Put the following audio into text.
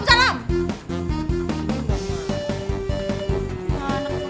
maksudnya emaknya udah berangkat